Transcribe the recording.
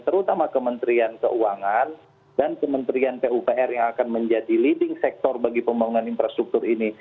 terutama kementerian keuangan dan kementerian pupr yang akan menjadi leading sektor bagi pembangunan infrastruktur ini